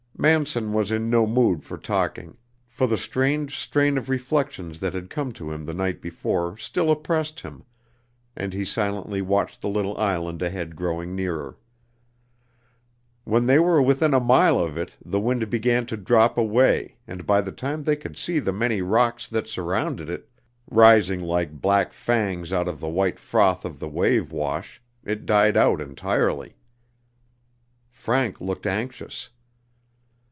Manson was in no mood for talking, for the strange strain of reflections that had come to him the night before still oppressed him and he silently watched the little island ahead growing nearer. When they were within a mile of it, the wind began to drop away and by the time they could see the many rocks that surrounded it, rising like black fangs out of the white froth of the wave wash, it died out entirely. Frank looked anxious.